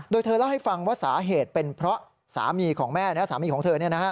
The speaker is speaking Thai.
โดยเธอเล่าให้ฟังว่าสาเหตุเป็นเพราะสามีของแม่และสามีของเธอ